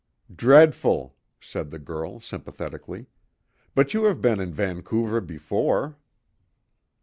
"Dreadful," said the girl, sympathetically. "But you have been in Vancouver before."